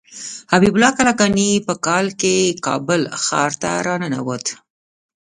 حبیب الله کلکاني په کال کې کابل ښار ته راننوت.